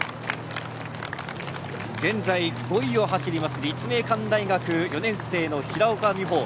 現在５位を走ります立命館大学４年生の平岡美帆。